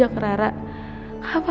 aku bisa berhasil kekhuatan